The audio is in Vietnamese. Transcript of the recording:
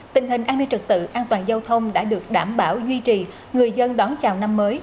tình hình an ninh trật tự an toàn giao thông đã được đảm bảo duy trì người dân đón chào năm mới